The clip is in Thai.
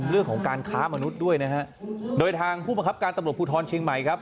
เรื่องของการค้ามนุษย์ด้วยนะฮะโดยทางผู้บังคับการตำรวจภูทรเชียงใหม่ครับ